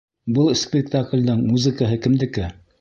Был спектаклдең музыкаһы кемдеке?